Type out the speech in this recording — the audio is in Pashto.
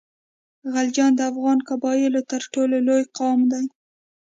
غلجیان د افغان قبایلو تر ټولو لوی قام دی.